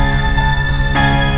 gak usah nge subscribe ya